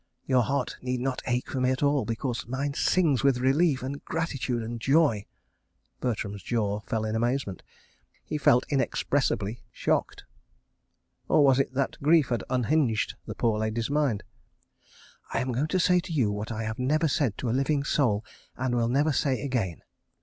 Your heart need not ache for me at all—because mine sings with relief and gratitude and joy. ..." Bertram's jaw fell in amazement. He felt inexpressibly shocked. Or was it that grief had unhinged the poor lady's mind? "I am going to say to you what I have never said to a living soul, and will never say again.